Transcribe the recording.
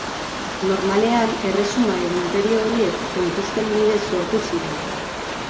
Normalean, erresuma edo inperio horiek konkisten bidez sortu ziren.